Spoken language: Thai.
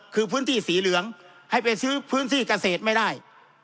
คือพื้นที่สีเหลืองให้ไปซื้อพื้นที่เกษตรไม่ได้